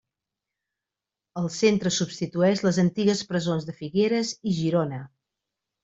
El centre substitueix les antigues presons de Figueres i Girona.